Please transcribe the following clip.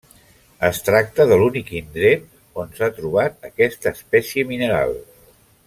Es tracta de l'únic indret on s'ha trobat aquesta espècie mineral.